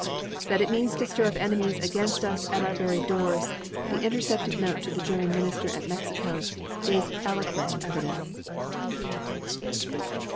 That it means to stir up enemies against us at our very doors the intercepted note to the German Minister at Mexico City is eloquent evidence.